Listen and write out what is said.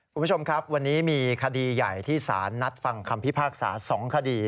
คุณผู้ชมครับวันนี้มีคดีใหญ่ที่สารนัดฟังคำพิพากษา๒คดี